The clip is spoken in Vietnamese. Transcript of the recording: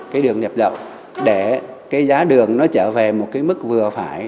cái đường nhập lậu để cái giá đường nó trở về một cái mức vừa phải